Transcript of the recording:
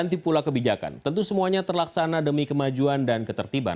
anti pula kebijakan tentu semuanya terlaksana demi kemajuan dan ketertiban